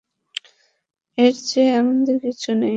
এর চেয়ে আনন্দের কিছু নেই।